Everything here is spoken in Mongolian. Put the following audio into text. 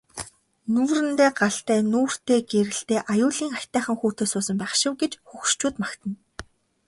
Нүдэндээ галтай нүүртээ гэрэлтэй аюулын аятайхан хүүтэй суусан байх шив гэж хөгшчүүд магтана.